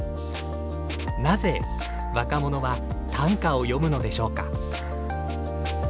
なぜ若者は短歌を詠むのでしょうか。